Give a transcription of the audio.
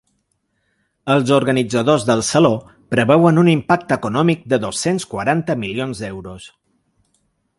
Els organitzadors del saló preveuen un impacte econòmic de dos-cents quaranta milions d’euros.